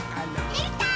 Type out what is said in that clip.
できたー！